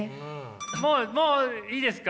もうもういいですか？